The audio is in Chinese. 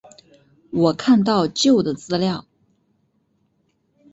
我看到旧的资料